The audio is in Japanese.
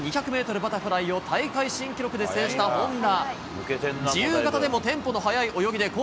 バタフライを大会新記録で制した本多。